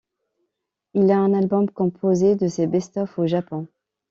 Il a un album composé de ses Best of au Japon.